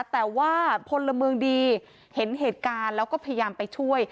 แต่ว่าพลเมืองดีเห็นเหตุการณ์แล้วก็พยายามไปช่วย